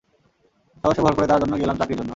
সাহসে ভর করে তাঁর কাছে গেলাম চাকরির জন্য।